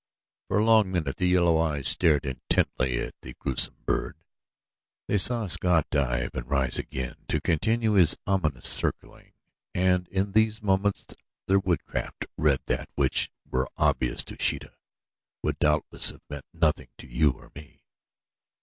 For a long minute the yellow eyes stared intently at the gruesome bird. They saw Ska dive and rise again to continue his ominous circling and in these movements their woodcraft read that which, while obvious to Sheeta, would doubtless have meant nothing to you or me.